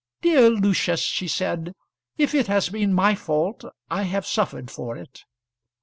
"Dear Lucius," she said, "if it has been my fault, I have suffered for it."